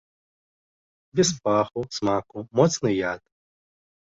Без паху, смаку, моцны яд.